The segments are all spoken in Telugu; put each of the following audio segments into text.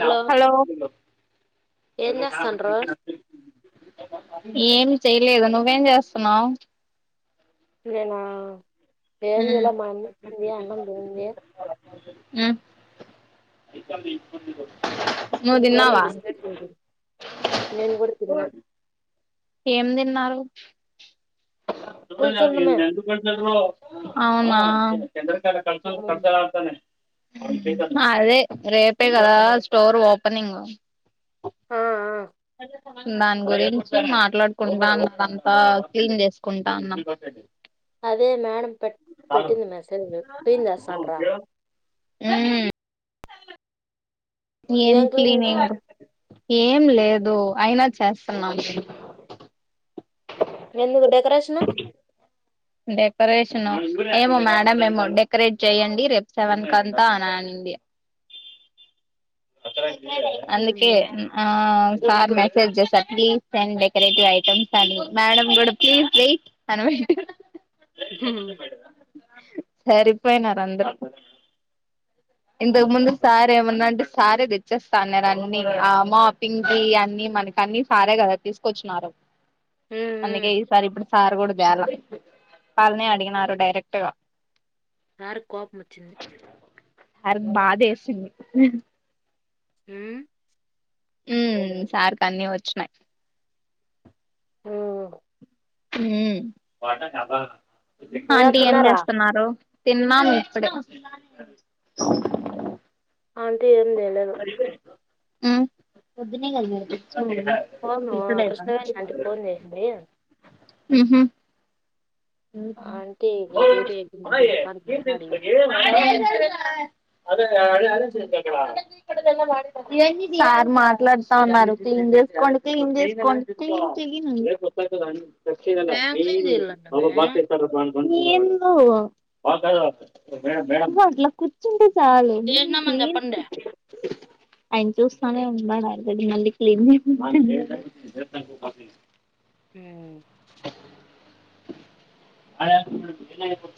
హలో హాలో ఏం చేస్తాండ్రు ఏమి చేయలేదు నువ్వేం జేసున్నావ్ ఇగానా ఏం జేయలే మన్ ఉదయం అన్నం తినింది. ఉ ఇప్పుడోన్ బిస్కెట్ తింటుంది నేన్ కూడా తిన్నా ఏం దీన్నారు. కూర్చున్నమే అవునా చంద్రకళ కల్సల్ కల్సలాడుతుంది. మా అదే రేపే కదా స్టోర్ ఓపెనింగు. ఆ ఆ దాన్ గురించి మాట్లాడుకుంటాన్ దంతా క్లిన్ జేసుకుంటాన్నం. అదే మేడం పెట్ పెట్టింది. మెసేజ్లూ పింజేస్తా ఉంట్రా. ఉహ్ ఏం క్లీన్ ఏంగు ఏం లేదు అయినా చేసున్నామ్ ఎందుక్ డెకరేషను డెకరేషనో ఏమో మేడం మేమో డెకరేట్ చేయండి. రేప్ సెవెన్క్ అంతా అన్నన్ డియా అందుకే నా ఆ ఆమ్ సార్ మెసేజ్ జేసా ప్లీజ్ సెండ్ డెకరేటివ్ ఐటమ్స్ అని మేడం కూడా ప్లీజ్ వెయిట్ అన్ వెట్ హుహ్ సరిపోయినార్ అందరూ ఇంతక్ ముందు సారేమన్నాటు సారే దేచ్చేసన్నారు అన్ని ఆ మాపింగ్ కి అన్ని మనకి అన్ని సారే కదా తీసుకొచ్చిన్నారు. అందుకే ఈసారి ఇప్పుడు సారు గూడా దేలా వాళ్ళనే అడిగినారు డైరెటుగా కారుక్ కోపం వచ్చింది. ఆర్క్ బాదేసింది. ఉహ్ ఉహు ఉమ్ సార్క్ అన్నీ వచ్చినాయ్. ఓఓ ఉమ్ ఇంకా అంటీ ఏం తిన్నారా జేస్తున్నారు. తీన్మామ్ ఇప్పుడే ఆంటీ ఏం చేయలేదు ఉహ్ ఫోను కృష్ణవేణి ఆంటీ ఫోన్ చేసింది హుహు్ ఆంటీకి డ్యూటీ అయిపోయింది డిస్పార్ట్మెంట్ అడిగింది. ఏది సార్ మాట్లాడ్తావున్నారు క్లిన్ జెస్కోండి క్లిన్ జేస్కోండి క్లిన్ జేయను. ఏం క్లీన్ చేయాలంటనే అబ్బో బ్లాక్ కేస్తారు బా ఏందో నువ్వు అట్లా కూర్చుంటే సాలు నేన్ చేసినామని క్లీన్ చెప్పండి పిచ్చి అయిన్ చూస్తానే ఉన్నాడ్ అడ్ దాగ్ మళ్ళీ క్లీన్ జేయ్ మన్నాడు. హుహ్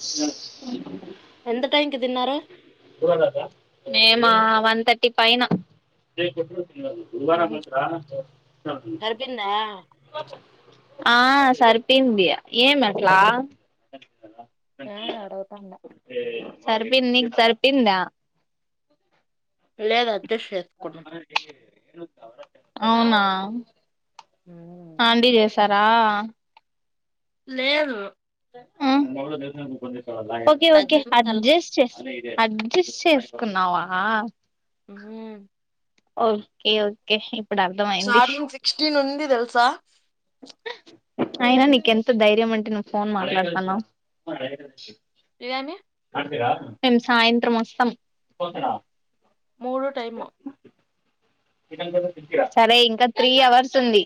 సో ఎంత టైంకి దీన్నారో మీమ్మా వన్ థర్టీ పైన ఇవాళ గురువారం మైతదిరా [inaudible] సరిపోయిందా ఆ సరిపెయ్నది ఏం అట్లా అడుగుతాండ సరిపెయింద్ నీగ్ సరిపెందా. లేదు అడ్జస్ట్ చేసుకున్నా అవునా హండీ చేసారా లేదు ఓకే ఓకే పెద్దమ్మ తల అడ్జస్ట్ చే అడ్జస్ట్ చేసుకున్నావా ఓకే ఓకే ఇప్పుడు అర్థమయింది చార్జింగ్ సిక్స్టీన్ ఉంది తెల్సా అయినా నీకెంత ధైర్యం అంటే ను ఫోన్ మాట్లాడతానవు ఎందనీ మేము సాయంత్రం వస్తాం మూడు టైము సరే ఇంకా త్రీ అవర్స్ ఉంది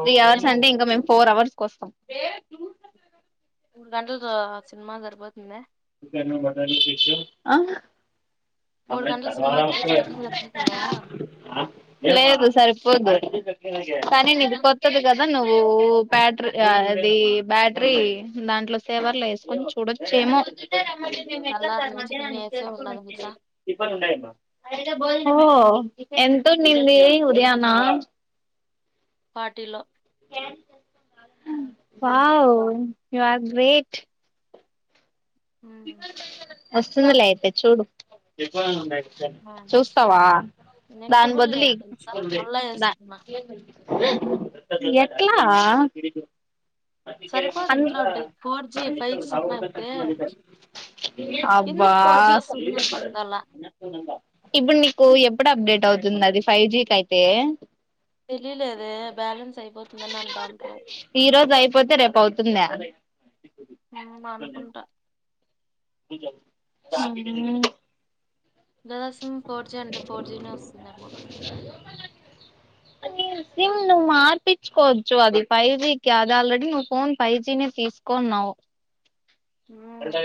త్రీ అదే అవర్స్ మూడు అంటే ఇంకా మేము ఫోర్ అవర్స్ కోస్తాము మూడు గంటలతో సినిమా సరిపోతుంది హ మూడు గంటల సినిమాకి చార్జింగ్ సరిపోతుందా లేదు సరిపోదూ సరే నిది కొత్తది కదా నువ్వు బ్యాటరీ అది బ్యాటరీ దాంట్లో సేవర్ల వేసుకొని చూడొచ్చేమో మేము ఎట్లా తెల్లారి సార్ నుంచి నేను మధ్యా్న్ని వేసే చేసుకుని ఉన్నా తెలుసా వచ్చ ఇప్పడు ఉండయిడి ఓ ఎంతుండింది ఉదయానా ఫార్టీలో వావ్ యూ ఆర్ గ్రేట్ వస్తుంది లే అయితే చూడు వస్తుంది. చూస్తావా నెట్ దాని కూడా బదులు ఇ లేదు తెలుసా మళ్ళా వేసుకున్నా ఎట్లా సరిపోదు అన్ ఇంట్లో ఉంటే ఫోర్ జీ ఫైవ్ జీ ఉందంటే అబ్బా ఎందుకు ఫోర్ జీ వస్తుంది అర్థం కాలా ఇప్పుడు నీకు ఎప్పుడు అప్డేట్ అవుతుంది అది ఫైవ్ జి కి అయితే తెలియలేదు బ్యాలెన్స్ అయిపోతుందని అంటా ఉంటారు పోతే రేపు అవుతుందా హ్మ్ అనుకుంటా హ్మ్ సిమ్ ఫోర్ జీ అంటే ఫోర్ జీ నే వస్తుందేమో సిమ్ నువ్వు మార్పించుకోవచ్చు అది ఫైవ్ జి కీ అది ఆల్రెడీ నువ్వు ఫోన్ ఫైవ్ జీ నే తీసుకున్నా వు మ్మ్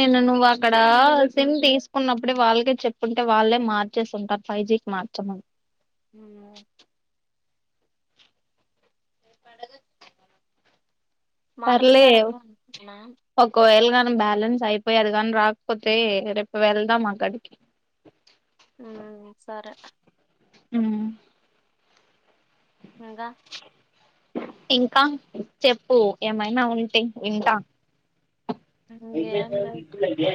నేను నువ్వు అక్కడ సిమ్ తీసుకున్నప్పుడే వాళ్ళకే చెప్పుకుంటే వాళ్ళే మార్చేస్తు ఉంటారు ఫైవ్ జి కి మార్చమని హ్మ్ పడుగ మారుస్తార అన్నా ఒకవేళ బ్యాలెన్స్ అయిపోయారు కానీ రాకపోతే రేపు వెళ్దాం అక్కడికి ఉ సరే హ్మ్ ఇంకా ఇంకా చెప్పు ఏమైనా ఉంటే వింటా అద ఇంగేం లేదు ఇట్లగే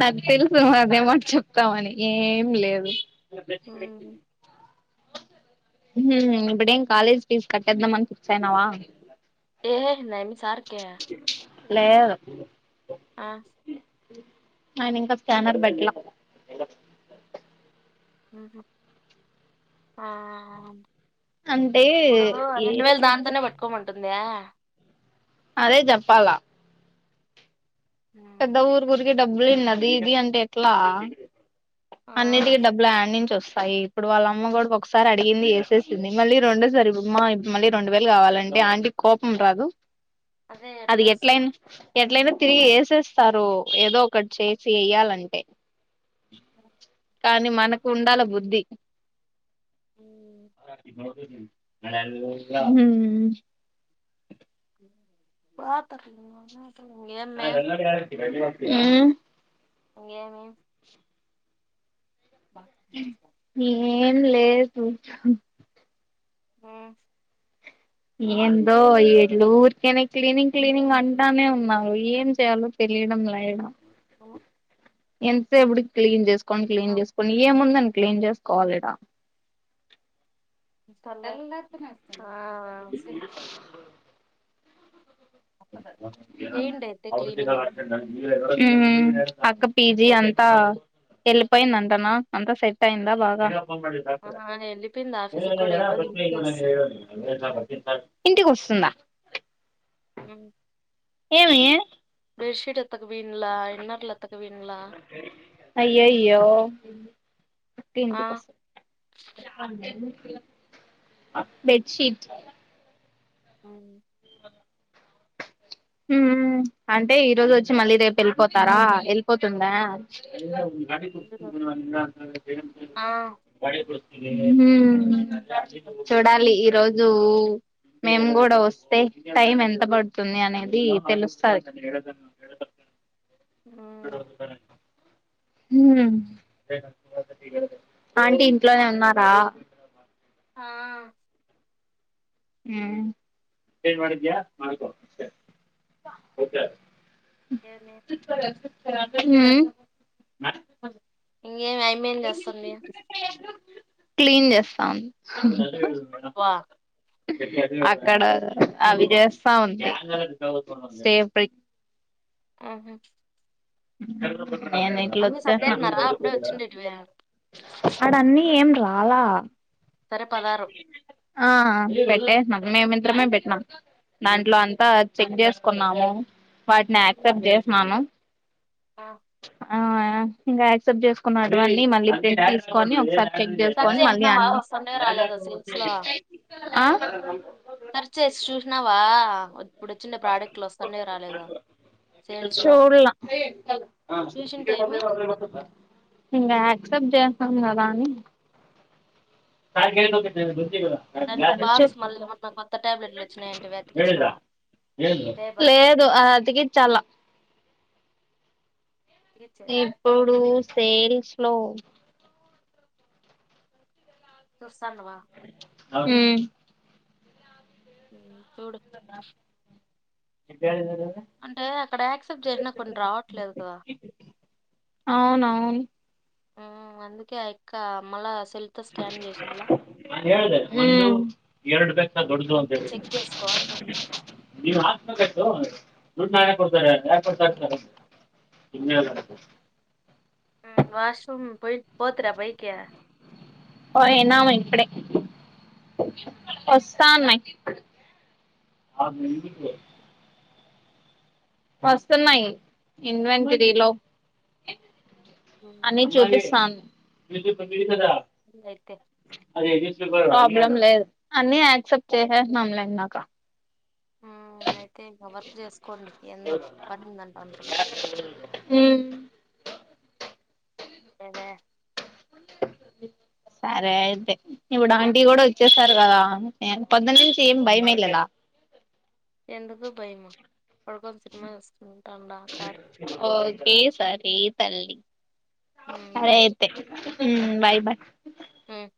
నాకు తెలుసు ను అదే మాట చెప్తావని ఏం లేదు హ ఇప్పుడేం కాాలేజ్ ఫీస్ కట్టడం అని ఫిక్స్ అయనావా ఏయే నమి సార్క లేేరు అ ఆయన ఇంకా స్కానర్ పెట్టలా హ్మ్మ్ ఆ అంటే ఇప్పుడు ఏ రెండు వేలు దాంతోనే పట్టుకోమంటుంద అదే చెప్పాలా పెద్ద ఊరు గురికి డబ్బులున్నది ఇది అంటే ఎట్లా ఆ అన్నిటికి డబ్బులు యాడి నుంచి వస్త సయి ఇప్పుడు వాళ్ళమ్మ కూడా ఒకసారి అడిగింది యేసేసింది మళ్ళీ రెండోసారి మా మళ్ళీ రెండు వేలు కావాలం ఆంటీ కి కోపం రాదు అదే అది ఎట్లా వస్తుంది ఎట్లనా ఎట్లయినా తిరిగి ఏసెస్ స్తారు ఏదో ఒకటి చేసి వెయ్యాలంటే కానీ మనకు ఉండాలి బుద్ధి మ్మ్ హ్మ్ బతర్ [unintelligible] హ్మ్ గేమి ఏం లేదు మ్ ఏందో ఈలు ఊరికేనే క్లీనింగ్ క్లీనింగ్ అంటానే ఉన్నారు ఏం చేయాలో తెలి తెలియడం లె ఇడా బ ఎంతసేపుటికి క్లీన్ చేసుకోని క్లీన్ చేసుకొని ఏముందని క్లీన్ చేస్తా కోవాలి ఇడా ఆ [unintelligible] చేయండి అయితే క్లీనింగ్ హ్మ్ అక్క పిజీ అంతా వెళ్ళిపోయింద అంటనా అంతా సెట్ అయిందా బాగా వెళ్ళిపోయింది ఆఫీస్కి కూడా ఈ రోజు పత్ ఇ ఇంటికే వస్తుంది అవేస ప సార్ [unintelligible] ఇంటికి వస్తుందా? అ ఏమి బేడ్డ్ షీట్ ఎతుకు వీణలా ఇన్నెర్ల ఎతుకు వీణలా త పస [unintelligible] బెడ్షీట్ అ హ్మ్ అంటే ఈ రోజు వచ్చి మళ్ళీ రేపు వెళ్ళిపోతారా వెళ్ళిపోతుందా [inaudible] ఆ హ్మ్ చూడాలి ఈ రోజు మేము కూడా వస్తే టైం ఎంత పడుతుంది అనే ది తెలుస్తాది హ్మ్ ఆంటీ ఇంట్లోనే ఉన్నారా? ఆ ేంమాద్యా మకు [unintelligible] [unintelligible] ఇంకేమి అమ్మాయి ఏమిచేస్తుంది క్లీన్ చేస్తోంది వా అక్కడ అవి చేస్తా ఉంది స్టే ఆహా నేన్ ఇట్లా సర్దేసినారా అప్పుడే వచ్చేసిన వచ్చిండేటివి రాలా సరే పదారు ఆ పెట్టేహ్నం మేమింద్దరమే పెట్టినాం దాంట్లో అంతా చెక్ చేసుకున్నాము వాటిని యాక్సెప్ట్ చేసన్నాను ఆ ఆ ఇంకా యాక్సెప్ట్ చేసుకున్నాటివి అన్ని మళ్ళీ ప్రెంట్ తీసుకొని ఒకసారి చెక్ చేసుకోని మళ్ళీ సర్దేసినావా అన్నిీ వస్తుండేవో రాలేదో సేల్స్ లో సెర్చ్ చేసి చూసినావా ఇప్పుడు వచ్చిండే ప్రోడక్ట్లు వస్తాండయో రాలేదో చూడ్ల చూసింటే ఏమి ఇంకా యాక్సెప్ట్ చేస్తాం కదా అని నా కప్పడు దానికి బాక్స్ మళ్ళీ ఏమన్నా కొత్త టాబ్లెట్లు వచ్చినాయింటవే అతికిచ్చినవా లేదు అ అతికిచ్చాల తీర్చేది ఇప్పుడు సేల్స్ లో చూస్తాండవ ఉమ్ చూడు విద్య అంటే అక్కడ యాక్సెప్ట్ చేసినా కొన్ని రావట్లేదు కదా అవునవును అందుకే ఆ యక్క మళ సెల్తో స్కాన్ చేసిన్ల అందుకే చెక్ చేసుకో అంటాను ఉమ్ నవ హక్మ ద వాష రూమ్ పోయి పోతిరా పైకి పోయనామ్ ఇప్పుడే వస్తా అన్నాయి ఆ న వస్తున్నాయి ఇన్వెంటరీ లో ఉమ్, అన్ని చూపిస్తంది అయితే ప్రాబ్లం లేదు అన్ని యాక్సెప్ట్ చేసేసిన్నాం లే ఇందాక అయితే ఇంకా వర్క్ చేసుకోండి ఎందో పని ఉందంటాన్రు కదా ఉమ్ ఉండేదే సరే అయితే ఇప్పుడు ఆంటి కూడా వచ్చేసారు కదా నేను పొద్దు నుంచి ఏం భయం వెయ్యలేదా ఎందుదు భయము పడుకొని సినిమా చూస్కుంటాండా కార్త్ ఓకే సరే తల్లి సరే అయితే ఉమ్ బాయ్ బాయ్ ఉమ్